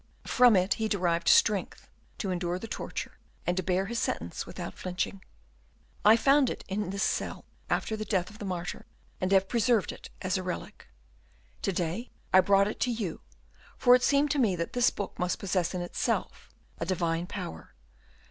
From it he derived strength to endure the torture, and to bear his sentence without flinching. I found it in this cell, after the death of the martyr, and have preserved it as a relic. To day I brought it to you, for it seemed to me that this book must possess in itself a divine power.